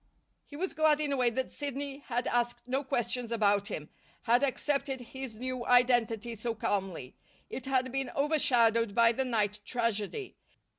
He was glad in a way that Sidney had asked no questions about him, had accepted his new identity so calmly. It had been overshadowed by the night tragedy.